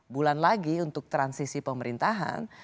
bulan lagi untuk transisi pemerintahan